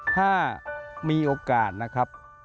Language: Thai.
ถ้ามีโอกาสนะครับ